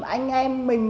anh em mình